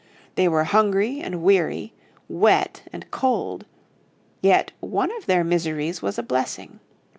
They were hungry and weary, wet and cold. Yet one of their miseries was a blessing.